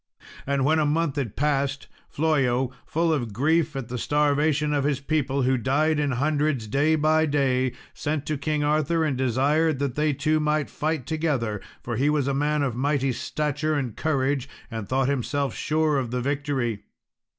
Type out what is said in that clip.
And when a month had passed, Flollo full of grief at the starvation of his people, who died in hundreds day by day sent to King Arthur, and desired that they two might fight together; for he was a man of mighty stature and courage, and thought himself sure of the victory.